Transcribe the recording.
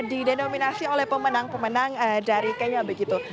didenominasi oleh pemenang pemenang dari kenya begitu